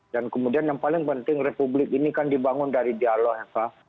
dan kemudian yang paling penting republik ini kan dibangun dari dialog ya pak